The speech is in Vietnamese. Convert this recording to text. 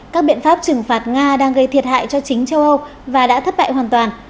các biện pháp trừng phạt nga đang gây thiệt hại cho chính châu âu và đã thất bại hoàn toàn